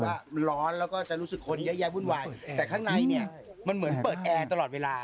ว่ามันร้อนแล้วก็จะรู้สึกคนเยอะแยะวุ่นวายแต่ข้างในเนี่ยมันเหมือนเปิดแอร์ตลอดเวลา